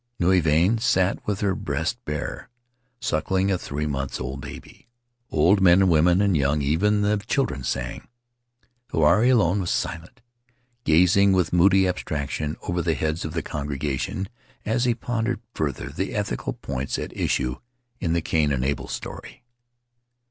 Nui Vahine sat with her breast bare, suckling a three months old baby. Old men and women and young, even the children, sang. Huirai alone was silent, gazing with moody abstraction over the heads of the congregation as he pondered further the ethical points at issue in the Cain and Abel story.